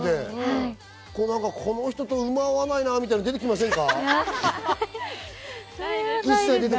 この人とウマが合わないなぁみたいなの出てきませんか？